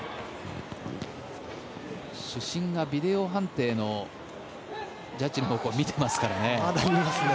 主審がビデオ判定のジャッジの方向を見ていますからね。